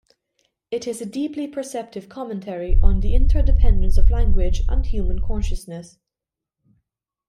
It is a deeply perceptive commentary on the interdependence of language and human consciousness.